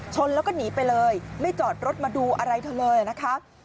ชนแล้วก็หนีไปเลยไม่จอดรถมาดูอะไรเธอเลยนะคะ